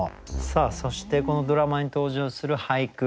さあそしてこのドラマに登場する俳句